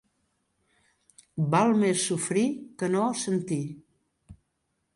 Val més sofrir que no sentir.